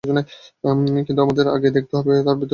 কিন্তু, আমাদেরকে আগে দেখতে হবে কার বিরুদ্ধে আমরা লড়ছি!